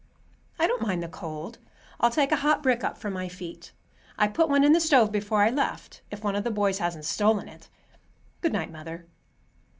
"I don't mind the cold. I'll take a hot brick up for my feet. I put one in the stove before I left, if one of the boys hasn't stolen it. Good night, mother."